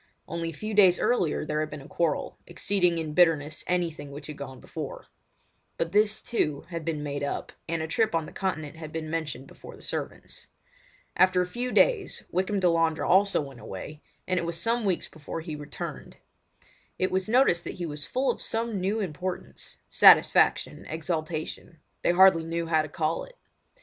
Only a few days earlier there had been a quarrel, exceeding in bitterness anything which had gone before; but this, too, had been made up, and a trip on the Continent had been mentioned before the servants. After a few days Wykham Delandre also went away, and it was some weeks before he returned. It was noticed that he was full of some new importance—satisfaction, exaltation—they hardly knew how to call it.